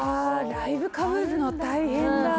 ライブかぶるの大変だ